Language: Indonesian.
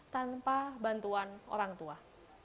tanpa bantuan orang tua